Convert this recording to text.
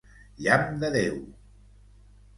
Llamp de Déu!